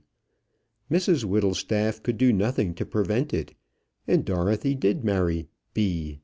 Mrs Whittlestaff could do nothing to prevent it, and Dorothy did marry "B."